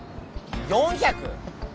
４００！？